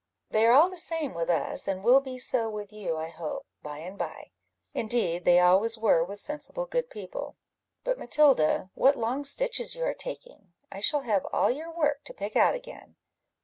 "They are all the same with us, and will be so with you, I hope, by and by; indeed they always were with sensible good people. But, Matilda, what long stitches you are taking! I shall have all your work to pick out again."